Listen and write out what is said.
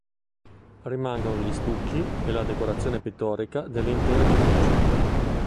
Rimangono gli stucchi e la decorazione pittorica dell'intero edificio.